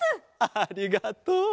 ありがとう。